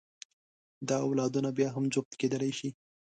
دا اولادونه بیا هم جفت کېدلی شي.